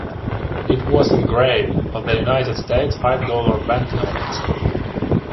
It was engraved for the United States five-dollar banknotes.